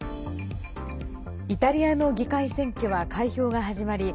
イタリアの議会選挙は開票が始まり